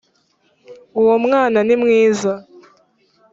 uwomwana nimwiza.